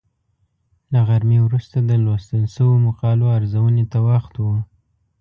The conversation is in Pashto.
له غرمې وروسته د لوستل شویو مقالو ارزونې ته وخت و.